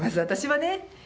私はね。